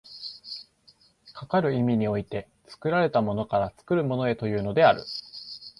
かかる意味において、作られたものから作るものへというのである。